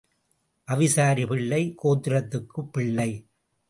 அவிசாரி பிள்ளை கோத்திரத்துக்குப் பிள்ளை.